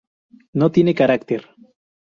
No tiene carácter.